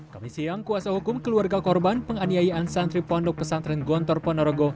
kami siang kuasa hukum keluarga korban penganiayaan santri pondok pesantren gontor ponorogo